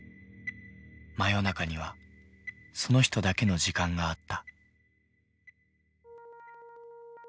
真夜中にはその人だけの時間があった。